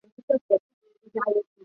迪奥尔人口变化图示